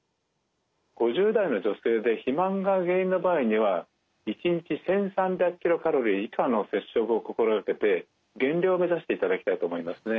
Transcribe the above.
５０代の女性で肥満が原因の場合には１日１，３００ｋｃａｌ以下の節食を心掛けて減量を目指していただきたいと思いますね。